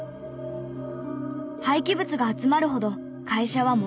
廃棄物が集まるほど会社は儲かる。